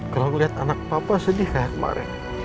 kalau melihat anak papa sedih kayak kemarin